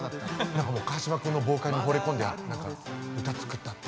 何かもう川島君のボーカルにほれ込んで歌作ったって。